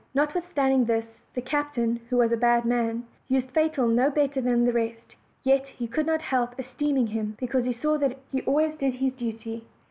Notwithstanding this the captain, who was a bad man, used Fatal no bet ter than the rest, yet he could not help esteeming him, because he saw that he always did his duty; and he would OLD.